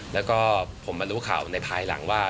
แล้วก็ผมมารู้ข่าวในภายหลังว่า